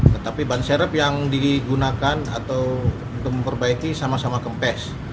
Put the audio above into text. tetapi ban serep yang digunakan atau untuk memperbaiki sama sama kempes